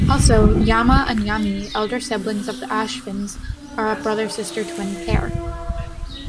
Also, Yama and Yami, elder siblings of the Ashvins, are a brother-sister twin pair.